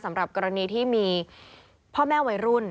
สำหรับกรณีที่มีพ่อแม่วัยรุ่น